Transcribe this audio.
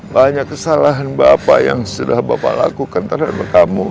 banyak kesalahan bapak yang sudah bapak lakukan terhadap kamu